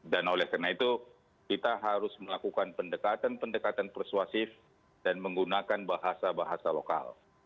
dan oleh karena itu kita harus melakukan pendekatan pendekatan persuasif dan menggunakan bahasa bahasa lokal